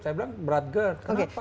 saya bilang berat gerd kenapa